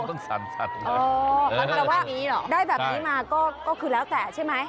ต้องสั่นอ๋อหรือว่าได้แบบนี้มาก็คือแล้วแต่ใช่ไหม